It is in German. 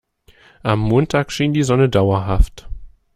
Am Montag schien die Sonne dauerhaft.